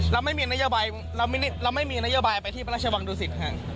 เราไม่มีนโยบายเราไม่มีนโยบายไปที่พระราชวังดุสิตค่ะ